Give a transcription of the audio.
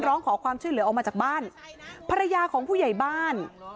ร้องขอความช่วยเหลือออกมาจากบ้านภรรยาของผู้ใหญ่บ้าน